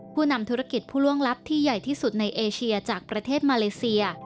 ผู้นำธุรกิจผู้ล่วงลับที่ใหญ่ที่สุดในเอเชียจากประเทศมาเลเซีย